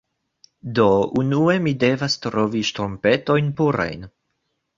Do, unue mi devas trovi ŝtrumpetojn purajn